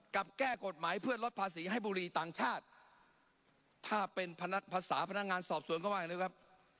กับแก้กฎหมายเพื่อลดภาษีให้บุรีต่างชาติถ้าเป็นพนักภาษาพนักงานสอบส่วนก็ว่าอย่างนี้ครับ